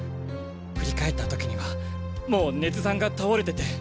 振り返った時にはもう根津さんが倒れてて。